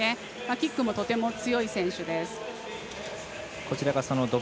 キックもとても強い選手です。